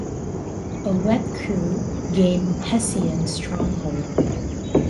A wet crew gain Hessian stronghold.